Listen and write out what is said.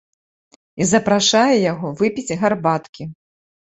І запрашае яго выпіць гарбаткі.